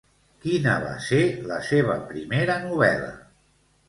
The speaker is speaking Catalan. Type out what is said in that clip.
Quina va ser la seva primera novel·la?